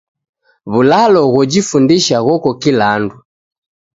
W'ulalo ghojifundisha ghoko kila andu.